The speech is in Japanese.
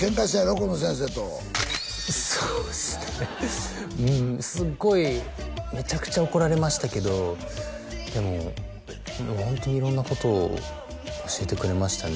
この先生とそうっすねうんすっごいめちゃくちゃ怒られましたけどでもホントに色んなことを教えてくれましたね